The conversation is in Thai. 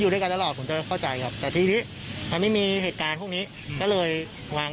พึ่งสองอาทิตย์ใช่ไหมหลังจากลดกล้อง